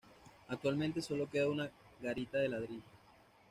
Actualmente solo queda una garita de ladrillo.